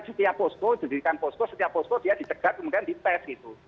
jadi setiap posko diberikan posko setiap posko dia ditegak kemudian dites gitu